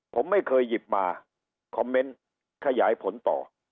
ผมไม่เคยหยิบมาคอมเมนต์ขยายผลต่อ